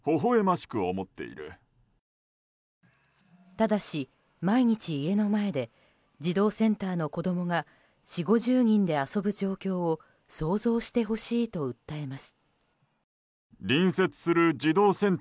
ただし、毎日家の前で児童センターの子供が４０５０人で遊ぶ状況を想像してほしいと訴えます。